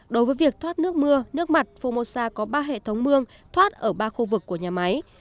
đối với việc thoát nước mưa nước mặt phongmosa có ba hệ thống mương thoát ở ba khu vực của nhà máy